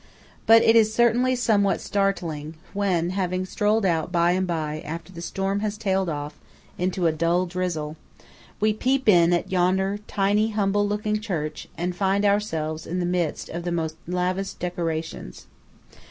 But it is certainly somewhat startling, when–having strolled out by and by after the storm has tailed off into a dull drizzle–we peep in at yonder tiny humble looking church, and find ourselves in the midst of the most lavish decorations.